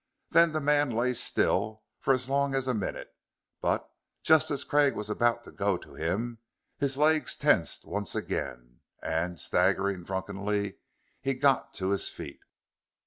Then the man lay still for as long as a minute; but, just as Craig was about to go to him, his legs tensed once again, and, staggering drunkenly, he got to his feet.